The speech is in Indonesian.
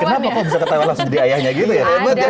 kenapa kok bisa ketawa langsung jadi ayahnya gitu ya